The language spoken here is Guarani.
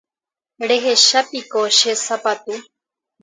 Rehechápiko che sapatu.